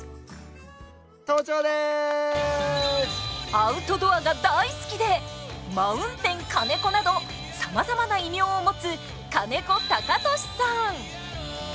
アウトドアが大好きでマウンテン金子などさまざまな異名を持つ金子貴俊さん。